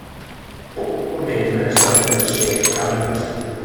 Both were made ministers in the state cabinet.